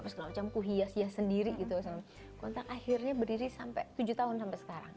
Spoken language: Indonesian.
segala macamku hias hias sendiri gitu kontak akhirnya berdiri sampai tujuh tahun sampai sekarang